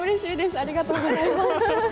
ありがとうございます。